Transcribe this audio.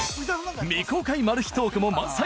未公開マル秘トークも満載！